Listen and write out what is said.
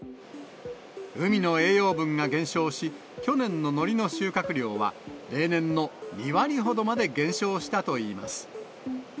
海の栄養分が減少し、去年ののりの収穫量は、例年の２割ほどまで減少したといいます。